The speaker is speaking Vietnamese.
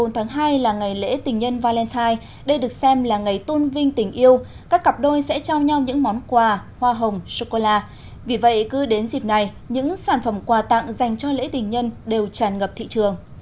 một mươi tháng hai là ngày lễ tình nhân valentine đây được xem là ngày tôn vinh tình yêu các cặp đôi sẽ trao nhau những món quà hoa hồng chocolate vì vậy cứ đến dịp này những sản phẩm quà tặng dành cho lễ tình nhân đều tràn ngập thị trường